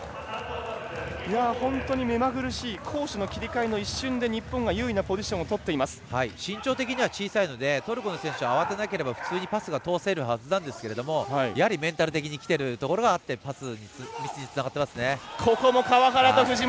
本当に目まぐるしい攻守の切り替えの一瞬で日本が優位な身長的には低いのでトルコの選手を慌てなければパスを通せるはずですがメンタル的にきているところがあってパスミスにつながっていますね。